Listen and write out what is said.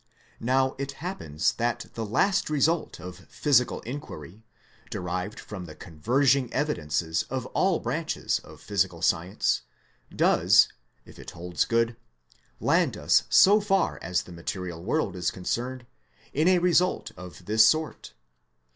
Now it happens that the last result of physical inquiry, derived from the converging evidences of all branches of physical science, does, if it holds good, land us so far as the material world is concerned, in a result of this sort.